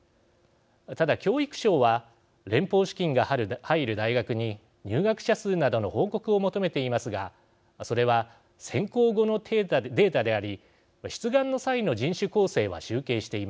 ただ教育省は連邦資金が入る大学に入学者数などの報告を求めていますがそれは選考後のデータであり出願の際の人種構成は集計していません。